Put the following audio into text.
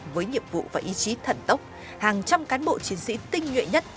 với nhiệm vụ và ý chí thẩn tốc hàng trăm cán bộ chiến sĩ tinh nguyện nhất